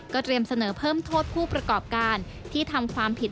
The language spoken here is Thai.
เตรียมเสนอเพิ่มโทษผู้ประกอบการที่ทำความผิด